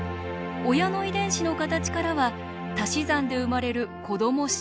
親の遺伝子の形からはたし算で生まれる子ども